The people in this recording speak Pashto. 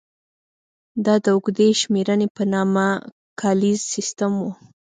دا د اوږدې شمېرنې په نامه کالیز سیستم و.